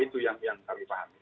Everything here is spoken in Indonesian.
itu yang kami pahami